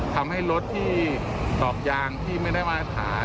ทำให้รถที่ตอกยางที่ไม่ได้มาตรฐาน